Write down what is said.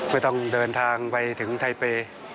ไม่ต้องเดินทางไปถึงไทเปย์